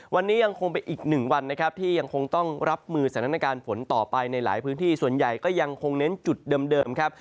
วันนี้ยังคงเป็นอีกหนึ่งวันนะครับที่ยังคงต้องรับมือสถานการณ์ฝนต่อไปในหลายพื้นที่ส่วนใหญ่ก็ยังคงเน้นจุดเดิมครับ